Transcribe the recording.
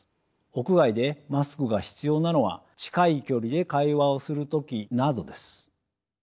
屋外でマスクが必要なのは近い距離で会話をする時などです。